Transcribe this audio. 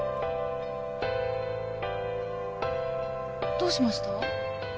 どうしました？